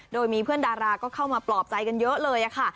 โดยมีเพื่อนดาราก็เข้ามาปลอบใจกันเยอะเลยค่ะ